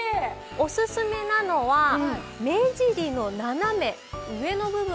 おすすめなのは目尻の斜め上の部分。